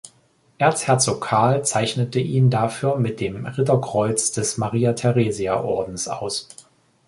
Erzherzog Karl zeichnete ihn dafür mit dem Ritterkreuz des Maria-Theresia-Ordens aus.